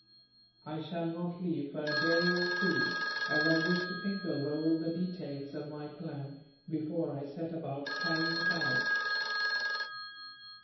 "I shall not leave for a day or two, as I wish to think over all the details of my plan, before I set about carrying it out."